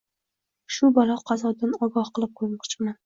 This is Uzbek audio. shu balo-qazodan ogoh qilib qo‘ymoqchiman